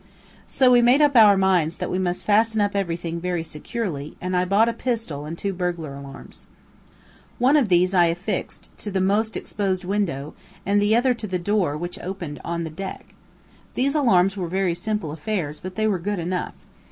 So we made up our minds that we must fasten up everything very securely, and I bought a pistol and two burglar alarms. One of these I affixed to the most exposed window, and the other to the door which opened on the deck. These alarms were very simple affairs, but they were good enough.